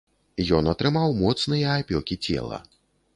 Ён атрымаў моцныя апёкі цела.